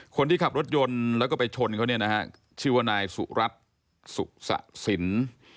คนที่ขับรถยนต์แล้วก็ไปชนเขาเนี่ยนะฮะชื่อว่านายสุรัตน์สุสะสิน